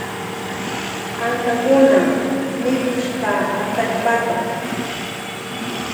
Ankakuna mikushka atallpata.